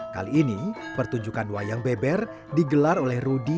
kali ini pertunjukan wayang beber digelar oleh rudy